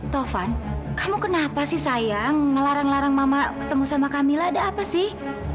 tovan kamu kenapa sih sayang ngelarang larang mama ketemu sama kamila ada apa sih